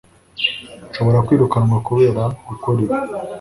Nshobora kwirukanwa kubera gukora ibi